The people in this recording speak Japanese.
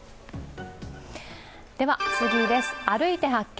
では、「歩いて発見！